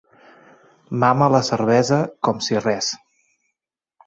Mama la cervesa com si res.